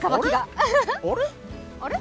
あれ？